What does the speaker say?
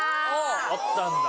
会ったんだ。